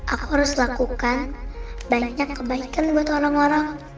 aku harus lakukan banyaknya kebaikan buat orang orang